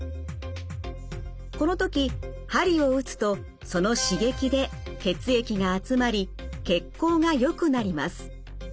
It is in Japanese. この時鍼を打つとその刺激で血液が集まり血行がよくなります。